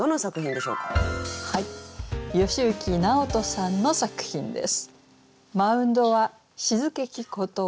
吉行直人さんの作品です。